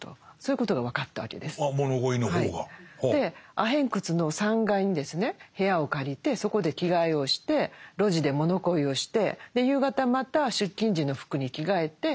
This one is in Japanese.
アヘン窟の３階にですね部屋を借りてそこで着替えをして路地で物乞いをして夕方また出勤時の服に着替えて帰宅と。